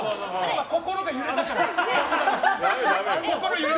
心が揺れたから。